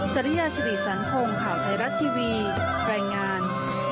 จริยาสิริสันพงศ์ข่าวไทยรัฐทีวีรายงาน